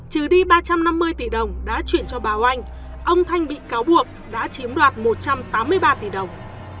trừ đi ba trăm năm mươi tỷ đồng đã chuyển cho bà oanh ông thanh bị cáo buộc đã chiếm đoạt một trăm tám mươi ba tỷ đồng